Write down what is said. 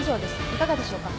いかがでしょうか？